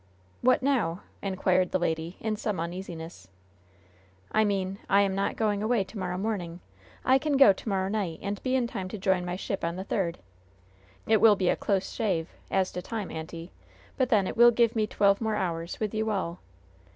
"What now?" inquired the lady, in some uneasiness. "I mean I am not going away to morrow morning. I can go to morrow night, and be in time to join my ship on the third. It will be a close shave, as to time, auntie; but then, it will give me twelve more hours with you all.